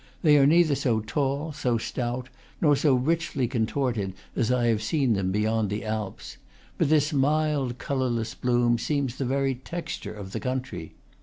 They are neither so tall, so stout, nor so richly contorted as I have seen them beyond the Alps; but this mild colorless bloom seems the very texture of the country.